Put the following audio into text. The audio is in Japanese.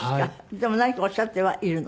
でも何かおっしゃってはいるの？